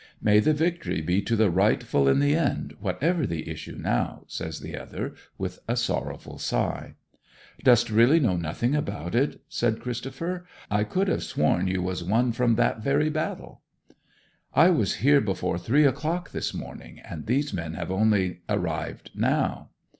'May the victory be to the rightful in the end, whatever the issue now,' says the other, with a sorrowful sigh. 'Dost really know nothing about it?' said Christopher. 'I could have sworn you was one from that very battle!' 'I was here before three o' the clock this morning; and these men have only arrived now.'